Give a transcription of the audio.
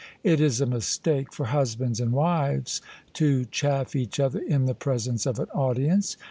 It is a mistake for husbands and wives to chaff each other in the presence of an audience.